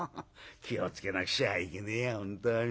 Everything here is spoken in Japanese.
気を付けなくちゃいけねえや本当に」。